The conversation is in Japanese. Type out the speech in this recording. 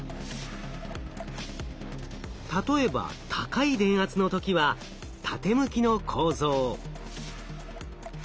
例えば高い電圧の時は縦向きの構造。